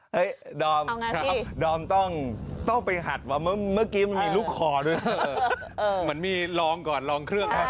ดอมดอมต้องไปหัดว่าเมื่อกี้มันมีลูกคอด้วยเหมือนมีลองก่อนลองเครื่อง